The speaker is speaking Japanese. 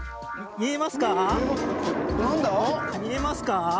見えますか？